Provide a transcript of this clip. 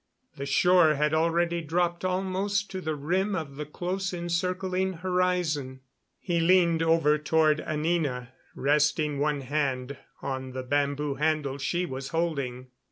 The shore had already dropped almost to the rim of the close encircling horizon. He leaned over toward Anina, resting one hand on the bamboo handle she was holding.